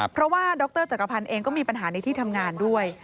เพราะว่าดรจักรพันธ์เองก็มีปัญหาในที่ทำงานด้วย